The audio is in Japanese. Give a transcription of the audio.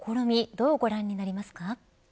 どうご覧になりますか。